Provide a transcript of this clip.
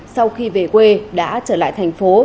sau khi về quê đã trở lại thành phố